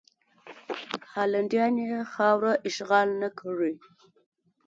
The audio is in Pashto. هالنډیان یې خاوره اشغال نه کړي.